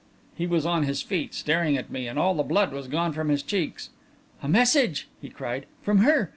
He was on his feet, staring at me, and all the blood was gone from his cheeks. "A message!" he cried. "From her!